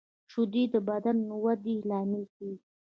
شیدې د بدن د ودې لامل کېږي